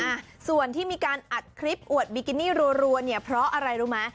อ่าส่วนที่มีการอัดคลิปอวดบิกินี่รัวเนี่ยเพราะอะไรรู้ไหม